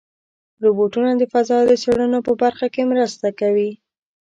روبوټونه د فضا د څېړنو په برخه کې مرسته کوي.